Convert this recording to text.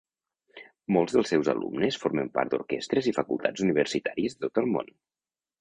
Molts dels seus alumnes formen part d'orquestres i facultats universitàries de tot el món.